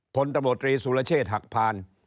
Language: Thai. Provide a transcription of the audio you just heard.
พลตำรวจตรีสุรเชษฐ์หักพาน